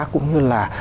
cũng như là